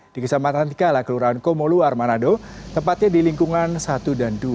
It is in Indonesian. di kecamatan tikala kelurahan komolu armanado tempatnya di lingkungan satu dan dua